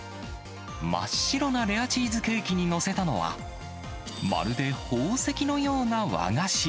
真っ白なレアチーズケーキに載せたのは、まるで宝石のような和菓子。